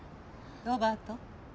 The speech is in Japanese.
ロバート。